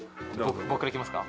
僕からいきますか？